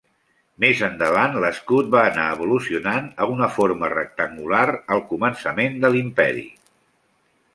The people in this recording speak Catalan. Més endavant l'escut va anar evolucionant a una forma rectangular al començament de l'Imperi.